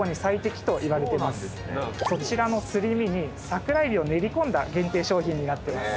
そちらのすり身に桜えびを練り込んだ限定商品になってます。